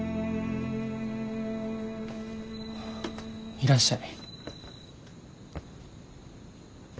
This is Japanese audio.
いらっしゃい。